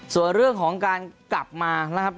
ส่วนเรื่องของการกลับมานะครับ